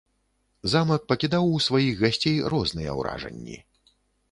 Замак пакідаў у сваіх гасцей розныя ўражанні.